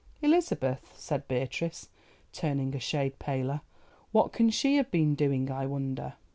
"Elizabeth," said Beatrice, turning a shade paler; "what can she have been doing, I wonder."